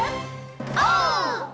オー！